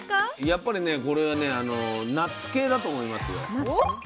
やっぱりねこれはねナッツ系だと思いますよ。